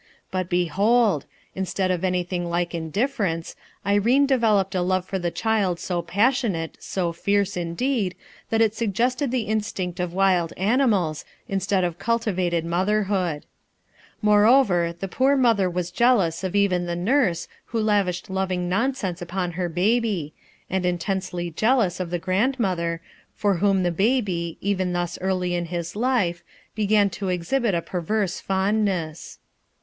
But behold! 322 RUTH ERSKINE'S SON instead of anything like indifference T developed a love for the child so poesionat fierce, indeed, that it suggested the instinct* wild animals, instead of cultivated motherho Moreover, the poor mother was jealous Cj f even the nurse who lavished loving nonsens upon her baby, and intensely jealous of the grandmother, for whom the baby, even thy. early in his life, began to exhibit a perverse fondness.